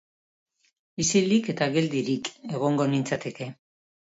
Isilik eta geldirik egongo nintzateke.